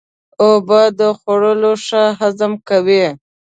اوبه د خوړو ښه هضم کوي.